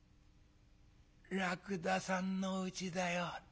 らくださんのうちだよ。